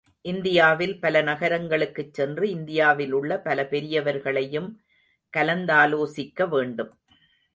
இந்தியாவில் பல நகரங்களுக்குச் சென்று, இந்தியாவிலுள்ள பல பெரியவர்களையும் கலந்தாலோசிக்க வேண்டும்.